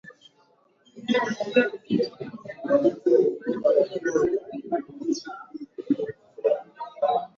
Mama analia